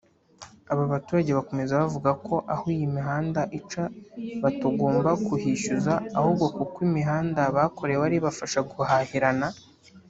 Aba baturage bakomeza bavuga ko aho iyi mihanda ica batogomba kuhishyuza ahubwo kuko imihanda bakorewe ari ibafasha guhahirana